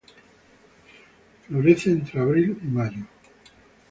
Florece entre abril y mayo.